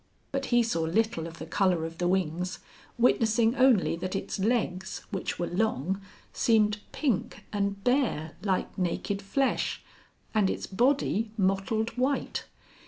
But he saw little of the colour of the wings, witnessing only that its legs, which were long, seemed pink and bare like naked flesh, and its body mottled white.